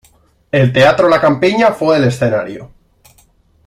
El teatro La Campiña fue el escenario.